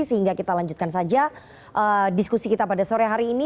sehingga kita lanjutkan saja diskusi kita pada sore hari ini